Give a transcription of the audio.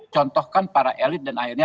contohkan para elit dan para pemerintah